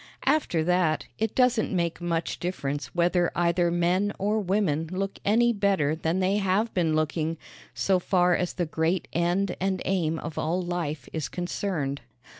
After that it doesn't make much difference whether either men or women look any better than they have been looking, so far as the great end and aim of all life is concerned.